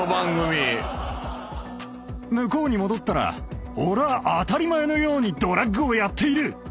向こうに戻ったら「俺は当たり前のようにドラッグをやっている！」